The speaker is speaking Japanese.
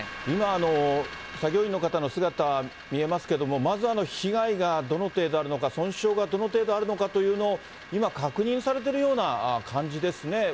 今、作業員の方の姿見えますけれども、まず被害がどの程度あるのか、損傷がどの程度あるのかというのを、今、確認されてるような感じですね。